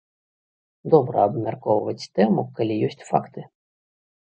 Добра абмяркоўваць тэму, калі ёсць факты.